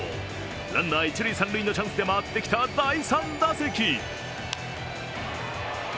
ランナー一・三塁のチャンスで回ってきた第３打席。